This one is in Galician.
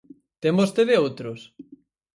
¿Ten vostede outros?